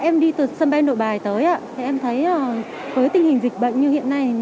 em đi từ sân bay nội bài tới em thấy với tình hình dịch bệnh như hiện nay